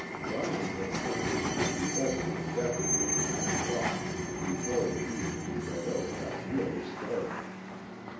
Bryant had turned his nephew over to the deputy at nine o'clock, before the evening in Red Oak got really started.